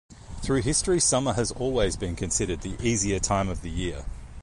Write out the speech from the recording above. Through history summer has always been considered the easier time of the year.